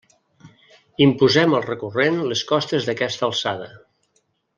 Imposem al recurrent les costes d'aquesta alçada.